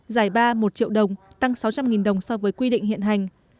giải ba một triệu đồng tăng sáu trăm linh đồng so với quy định hiện hành